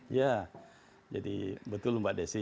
ya jadi betul mbak desi